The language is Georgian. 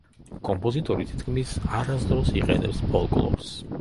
კომპოზიტორი თითქმის არასდროს იყენებს ფოლკლორს.